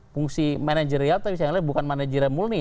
fungsi manajerial tapi seandainya bukan manajerial mulni